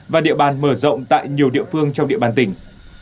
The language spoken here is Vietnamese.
và địa bàn mở rộng tại nhiều địa phương trong địa bàn tỉnh